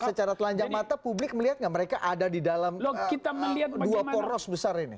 secara telanjang mata publik melihat nggak mereka ada di dalam dua poros besar ini